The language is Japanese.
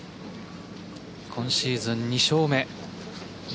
今シーズン２勝目。